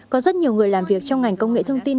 có rất nhiều người làm việc trong ngành công nghệ thông tin